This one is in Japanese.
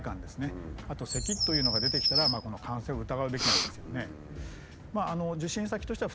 あとせきというのが出てきたらこの感染を疑うべきなんですよね。